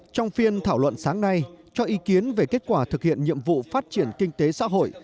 trong phiên thảo luận sáng nay cho ý kiến về kết quả thực hiện nhiệm vụ phát triển kinh tế xã hội